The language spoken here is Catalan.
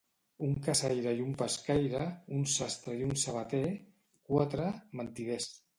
Un caçaire i un pescaire, un sastre i un sabater, quatre... mentiders.